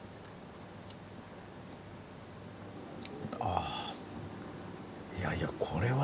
あいやいやこれはいいわ。